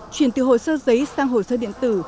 chuyển từ hồ sơ giấy sang hồ sơ điện tử